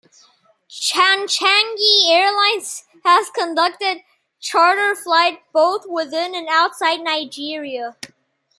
Chanchangi Airlines has conducted charter flight both within and outside Nigeria.